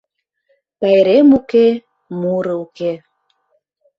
Пайрем уке — муро уке.